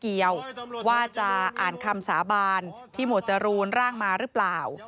เกี่ยวว่าจะอ่านคำสาบานที่หมวดจรูนร่างมาหรือเปล่า